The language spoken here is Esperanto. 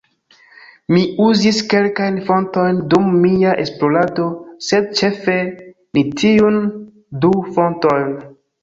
Mi uzis kelkajn fontojn dum mia esplorado, sed ĉefe ĉi tiun du fontojn: